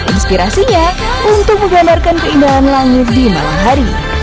inspirasinya untuk menggambarkan keindahan langit di malam hari